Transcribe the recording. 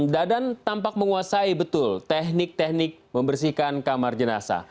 dadan tampak menguasai betul teknik teknik membersihkan kamar jenazah